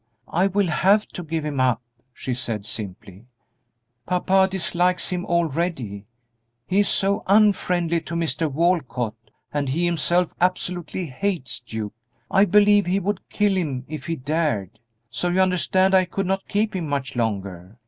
"I will have to give him up," she said, simply; "Papa dislikes him already, he is so unfriendly to Mr. Walcott, and he himself absolutely hates Duke; I believe he would kill him if he dared; so you understand I could not keep him much longer.